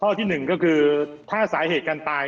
อันที่สองเรื่องบาดแผลตามร่างกาย